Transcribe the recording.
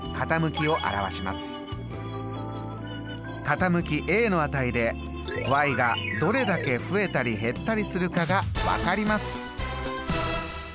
傾きの値でがどれだけ増えたり減ったりするかが分かります。